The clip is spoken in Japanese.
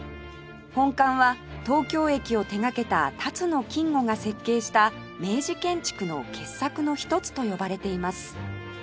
本館は東京駅を手がけた辰野金吾が設計した明治建築の傑作の一つと呼ばれています